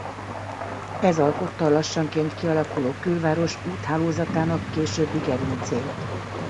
Ez alkotta a lassanként kialakuló külváros úthálózatának későbbi gerincét.